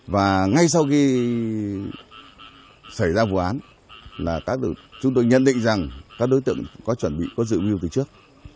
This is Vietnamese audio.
và ngay sau khi xảy ra vụ án là chúng tôi nhận định rằng các đối tượng có chuẩn bị có dự mưu từ trước